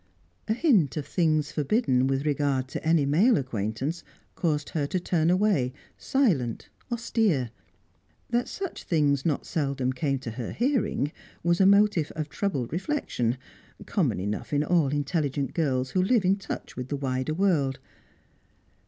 A hint of things forbidden with regard to any male acquaintance caused her to turn away, silent, austere. That such things not seldom came to her hearing was a motive of troubled reflection, common enough in all intelligent girls who live in touch with the wider world.